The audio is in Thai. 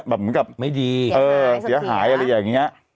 แบบเหมือนกับไม่ดีเออเสียหายสักทีอะเออเสียหายอะไรอย่างเงี้ย